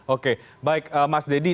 oke baik mas dedy